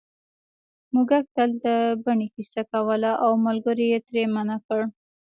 موږک تل د بنۍ کیسه کوله او ملګرو یې ترې منع کړ